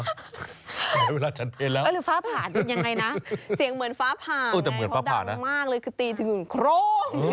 เสียงเหมือนฟ้าผ่านไงเพราะดังมากเลยคือตีถึงโคร่ง